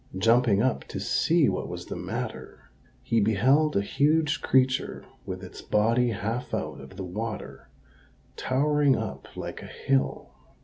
Jumping up to see what was the matter, he beheld a huge creature with its body half out of the water, towering up like a hill.